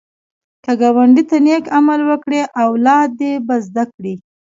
که ګاونډي ته نېک عمل وکړې، اولاد دې به زده کړي